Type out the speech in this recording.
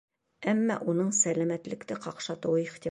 Әммә уның сәләмәтлекте ҡаҡшатыуы ихтимал.